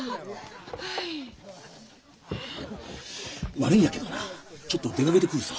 悪いんやけどなちょっと出かけてくるさ。